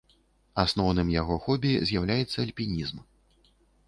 Асноўным яго хобі з'яўляецца альпінізм.